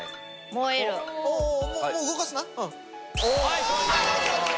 もう動かすな。